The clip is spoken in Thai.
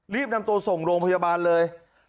รีบนำตัวส่งโรงพยาบาลเลย